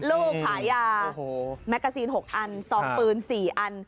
ลูกขายาแมกกาซีน๖อันซองปืน๔อัน